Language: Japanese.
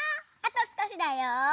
あとすこしだよ。